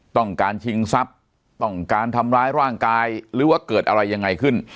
ต้องการชิงทรัพย์ต้องการทำร้ายร่างกายหรือว่าเกิดอะไรยังไงขึ้น